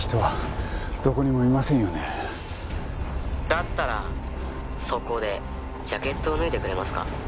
「だったらそこでジャケットを脱いでくれますか？」